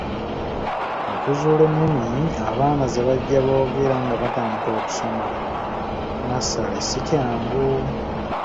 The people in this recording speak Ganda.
Okuzuula ennimi abaana ze bajja boogera nga batandika okusoma nnassale si kyangu.